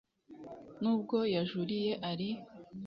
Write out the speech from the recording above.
n ubwo yajuriye ari